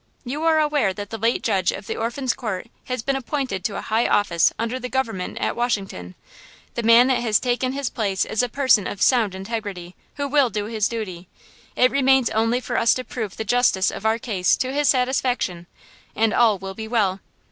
You are aware that the late judge of the Orphans' Court has been appointed to a high office under the government at Washington. The man that has taken his place is a person of sound integrity, who will do his duty. It remains only for us to prove the justice of our cause to his satisfaction, and all will be well."